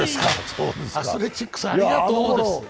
アスレチックスありがとうです。